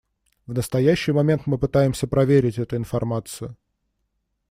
В настоящий момент мы пытаемся проверить эту информацию.